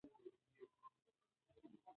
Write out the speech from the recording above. که سند وي نو حق نه ضایع کیږي.